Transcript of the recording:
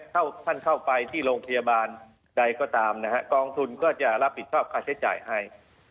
ท่านเข้าไปที่โรงพยาบาลใดก็ตามนะฮะกองทุนก็จะรับผิดชอบค่าใช้จ่ายให้